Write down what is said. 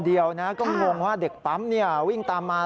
เดียวนะก็งงว่าเด็กปั๊มวิ่งตามมา